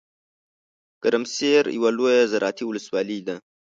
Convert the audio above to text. ګرمسیر یوه لویه زراعتي ولسوالۍ ده .